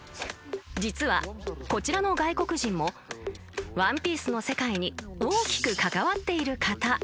［実はこちらの外国人も『ワンピース』の世界に大きく関わっている方］